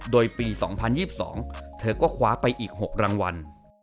โดยปี๒๐๒๒เธอก็คว้าไปอีก๖รางวัล